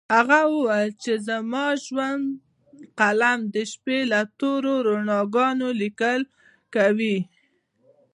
هغې وويل چې زما د ژوند قلم د شپو له تورو رګونو ليکل کوي